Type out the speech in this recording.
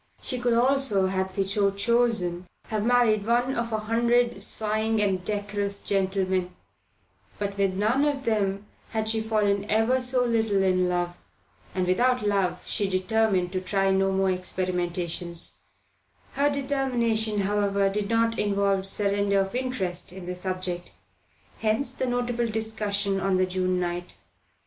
She could also, had she so chosen, have married one of a hundred sighing and decorous gentlemen; but with none of them had she fallen ever so little in love, and without love she determined to try no more experiments; her determination, however, did not involve surrender of interest in the subject. Hence the notable discussion on the June night.